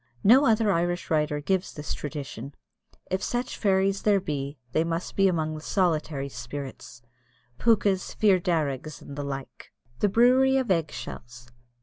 No other Irish writer gives this tradition if such fairies there be, they must be among the solitary spirits Pookas, Fir Darrigs, and the like. THE BREWERY OF EGG SHELLS.